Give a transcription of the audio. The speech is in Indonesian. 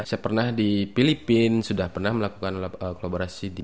saya pernah di filipina sudah pernah melakukan kolaborasi